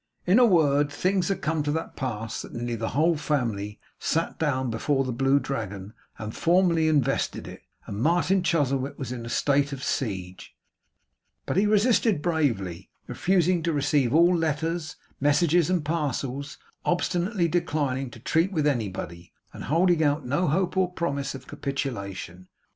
In a word, things came to that pass that nearly the whole family sat down before the Blue Dragon, and formally invested it; and Martin Chuzzlewit was in a state of siege. But he resisted bravely; refusing to receive all letters, messages, and parcels; obstinately declining to treat with anybody; and holding out no hope or promise of capitulation.